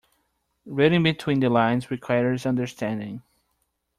Reading between the lines requires understanding.